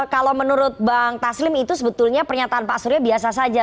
kalau menurut bang taslim itu sebetulnya pernyataan pak surya biasa saja